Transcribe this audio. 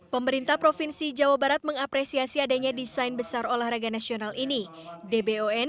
pemerintah provinsi jawa barat mengapresiasi adanya desain besar olahraga nasional ini dbon